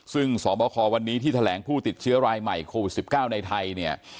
ซึ่งสบควันนี้ที่แถลงผู้ติดเชื้อรายใหม่โควิด๑๙ในไทยเนี่ย